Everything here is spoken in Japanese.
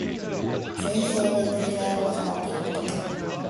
善政で国が良く治まっていること。